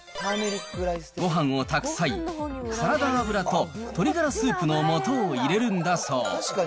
ごはんを炊く際、サラダ油と鶏がらスープのもとを入れるんだそう。